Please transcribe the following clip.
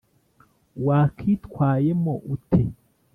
Wakitwayemo ute?